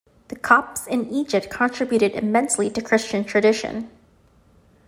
The Copts in Egypt contributed immensely to Christian tradition.